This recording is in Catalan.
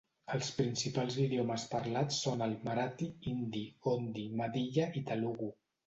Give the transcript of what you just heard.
Els principals idiomes parlats són el marathi, hindi, gondi, madiya i telugu.